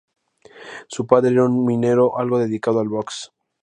Su padre era un minero algo dedicado al box.